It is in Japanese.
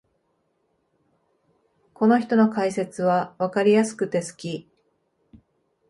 この人の解説はわかりやすくて好き